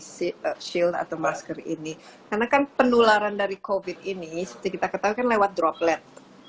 sill atau masker ini karena kan penularan dari covid ini seperti kita ketahui kan lewat droplet